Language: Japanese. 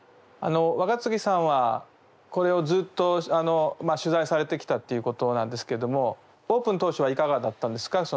若槻さんはこれをずっと取材されてきたっていうことなんですけどもオープン当初はいかがだったんですか？